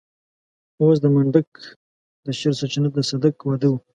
اوس د منډک د شر سرچينه د صدک واده و.